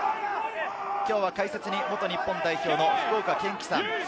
解説に元日本代表の福岡堅樹さん。